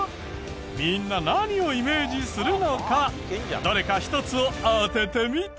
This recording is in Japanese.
みんな何をイメージするのかどれか１つを当ててみて。